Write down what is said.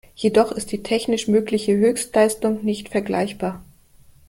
Jedoch ist die technisch mögliche Höchstleistung nicht vergleichbar.